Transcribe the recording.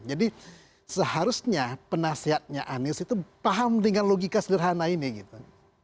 jadi seharusnya penasihatnya andis itu paham dengan logika sederhana ini gitu